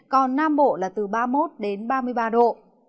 còn nam bộ là từ ba mươi một đến ba mươi ba độ